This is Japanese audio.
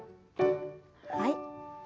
はい。